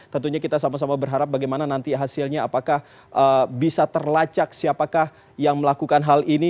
tentunya kita sama sama berharap bagaimana nanti hasilnya apakah bisa terlacak siapakah yang melakukan hal ini